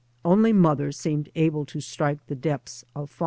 Only mother seemed able to strike the depths of father.